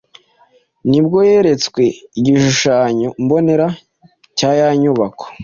ni bwo yeretswe igishushanyo mbonera cya ya nyubako